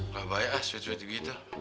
ga banyak ah suet suet gitu